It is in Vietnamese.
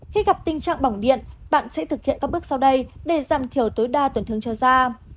khi gặp tình trạng bỏng điện bạn sẽ thực hiện các bước sau đây để giảm thiểu tối đa tổn thương cho da